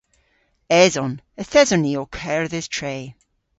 Eson. Yth eson ni ow kerdhes tre.